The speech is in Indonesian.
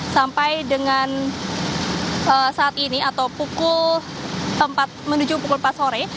sampai dengan saat ini atau pukul empat menuju pukul empat sore